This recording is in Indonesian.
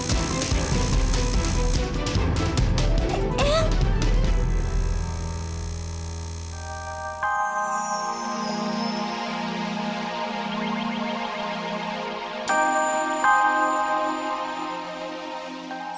kita kalau pala memenangin elektronika